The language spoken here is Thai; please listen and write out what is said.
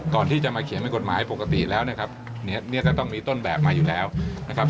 ก่อนที่จะมาเขียนเป็นกฎหมายปกติแล้วนะครับเนี่ยก็ต้องมีต้นแบบมาอยู่แล้วนะครับ